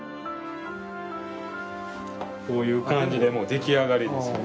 こういう感じでもう出来上がりですね。